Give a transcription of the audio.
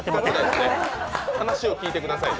話を聞いてください。